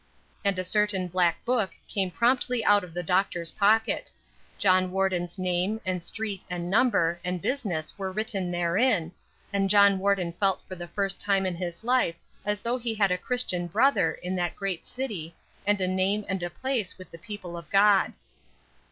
And a certain black book came promptly out of the doctor's pocket. John Warden's name, and street, and number, and business were written therein, and John Warden felt for the first time in his life as though he had a Christian brother in that great city, and a name and a place with the people of God.